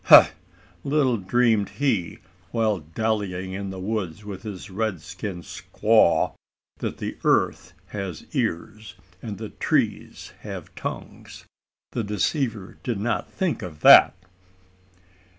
Ha! little dreamed he, while dallying in the woods with his red skinned squaw, that the earth has ears and the trees have tongues. The deceiver did not think of that!"